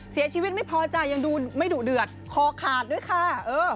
เสียชีวิตไม่พอใจยังดูไม่ดุเดือดคอขาดด้วยค่ะ